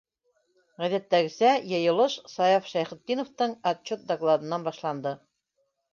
Ғәҙәттәгесә, йыйылыш Саяф Шәйхетдиновтың отчет докладынан башланды.